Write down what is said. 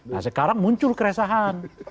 nah sekarang muncul keresahan